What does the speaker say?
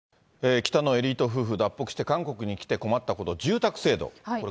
北のエリート夫婦、脱北して、韓国に来て困ったこと、住宅制度。